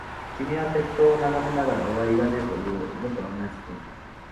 君は鉄塔を眺めながら、終わりだね、と言う。僕はうなずく。